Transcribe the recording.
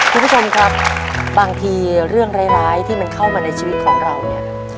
คุณผู้ชมครับบางทีเรื่องร้ายที่มันเข้ามาในชีวิตของเราเนี่ย